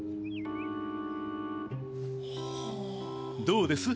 どうです？